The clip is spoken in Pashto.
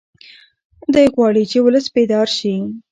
دی غواړي چې ولس بیدار شي.